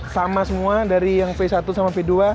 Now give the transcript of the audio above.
sama semua dari yang p satu sama v dua